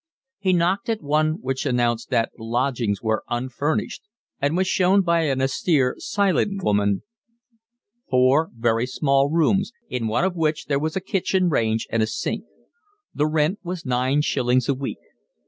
He knocked at one which announced that the lodgings were unfurnished, and was shown by an austere, silent woman four very small rooms, in one of which there was a kitchen range and a sink. The rent was nine shillings a week.